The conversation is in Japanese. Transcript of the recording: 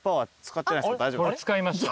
使いました。